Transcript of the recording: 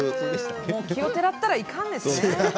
奇をてらったらいかんですね。